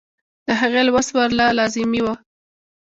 د هغې لوست ورله لازمي وۀ -